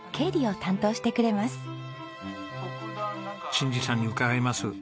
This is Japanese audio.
信治さんに伺います。